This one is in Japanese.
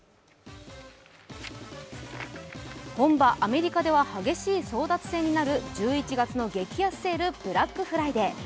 本場・アメリカでは激しい争奪戦になる１１月の激安セール、ブラックフライデー。